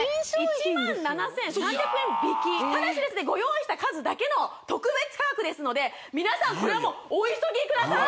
１７３００円引きただしですねご用意した数だけの特別価格ですので皆さんこれはもうお急ぎください